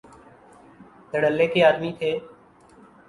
دھڑلے کے آدمی تھے۔